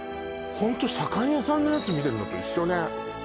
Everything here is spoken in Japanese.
ホント左官屋さんのやつ見てるのと一緒ね